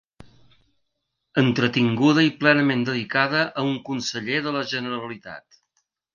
Entretinguda i plenament dedicada a un conseller de la Generalitat.